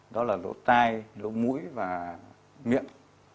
đó là lỗ tai lỗ mũi và miệng